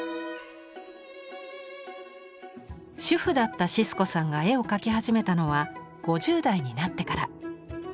主婦だったシスコさんが絵を描き始めたのは５０代になってから。